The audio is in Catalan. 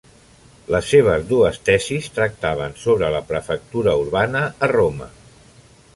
Les seves dues tesis tractaven sobre la prefectura urbana a Roma.